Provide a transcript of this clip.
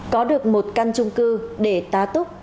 có được một căn chung cư để ta túc